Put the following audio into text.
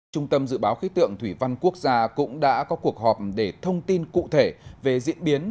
trung tâm dự báo khí tượng thủy văn quốc gia cũng đã có cuộc họp để thông tin cụ thể về diễn biến